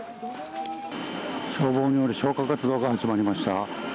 消防による消火活動が始まりました。